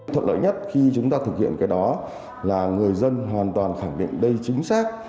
thuận lợi nhất khi chúng ta thực hiện cái đó là người dân hoàn toàn khẳng định đây chính xác